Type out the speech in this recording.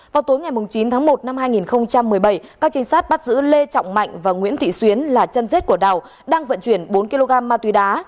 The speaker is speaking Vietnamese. vào tối ngày chín tháng một năm hai nghìn một mươi bảy các trinh sát bắt giữ lê trọng mạnh và nguyễn thị xuyến là chân rết của đào đang vận chuyển bốn kg ma túy đá